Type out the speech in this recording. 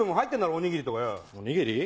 おにぎり？